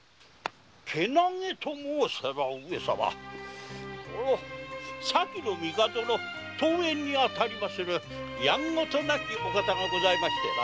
健気と申さば上様前の帝の遠縁に当たりまするやんごとなきお方がございましてな。